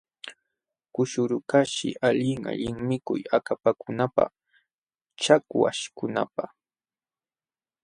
Kushurukaqshi alli allin mikuy akapakunapaq chakwaśhkunapaq.